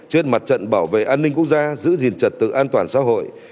trên mặt trận bảo vệ an ninh quốc gia giữ gìn trật tự an toàn xã hội